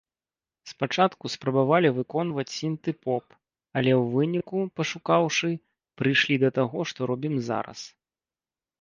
Спачатку спрабавалі выконваць сінты-поп, але ў выніку, пашукаўшы, прыйшлі да таго, што робім зараз.